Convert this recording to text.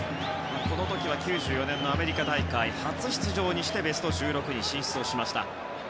前回は９４年のアメリカ大会初出場にしてベスト１６に進出しました。